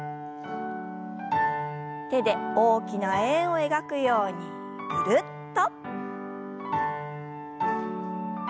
手で大きな円を描くようにぐるっと。